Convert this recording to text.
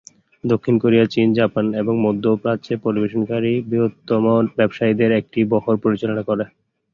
দক্ষিণ কোরিয়া চীন, জাপান এবং মধ্য প্রাচ্যে পরিবেশনকারী বৃহত্তম ব্যবসায়ীদের একটি বহর পরিচালনা করে।